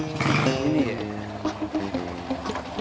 gue selih dikit